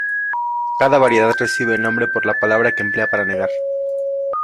Cada variedad recibe el nombre por la palabra que emplea para negar.